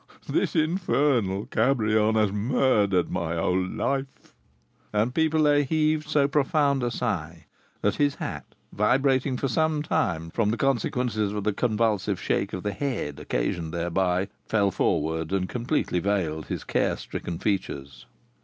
This infernal Cabrion has murdered my whole life!" And Pipelet heaved so profound a sigh that his hat, vibrating for some time from the consequences of the convulsive shake of the head occasioned thereby, fell forward and completely veiled his care stricken features.